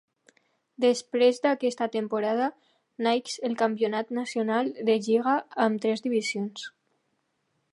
Després d'aquesta temporada, naix el campionat nacional de lliga amb tres divisions.